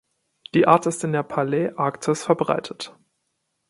Die Art ist in der Paläarktis verbreitet.